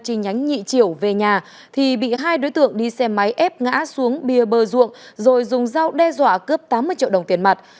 trên nhánh nhị triều về nhà thì bị hai đối tượng đi xe máy ép ngã xuống bia bờ ruộng rồi dùng dao đe dọa cướp tám mươi triệu đồng tiền mặt